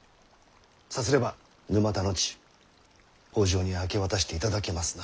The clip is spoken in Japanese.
さすれば沼田の地北条に明け渡していただけますな？